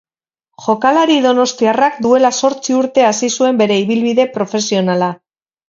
Jokalari donostiarrak duela zortzi urte hasi zuen bere ibilbide profesionala.